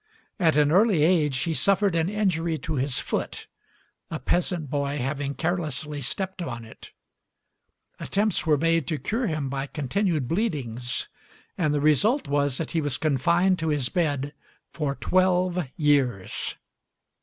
At an early age he suffered an injury to his foot, a peasant boy having carelessly stepped on it; attempts were made to cure him by continued bleedings, and the result was that he was confined to his bed for twelve years.